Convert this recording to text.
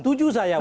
setuju saya bung